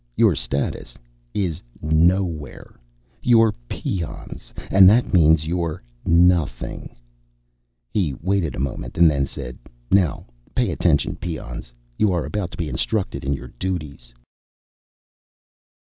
Your status is nowhere. You're peons, and that means you're nothing." He waited a moment and then said, "Now pay attention, peons. You are about to be instructed in your duties."